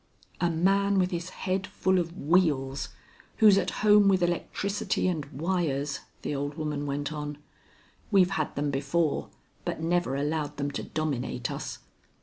"A man with his head full of wheels, who's at home with electricity and wires," the old woman went on. "We've had them before, but never allowed them to dominate us.